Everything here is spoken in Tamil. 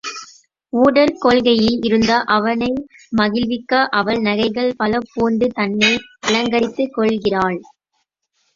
ஊடற் கொள்கையில் இருந்த அவனை மகிழ்விக்க அவள் நகைகள் பல பூண்டு தன்னை அலங்கரித்துக் கொள்கிறாள்.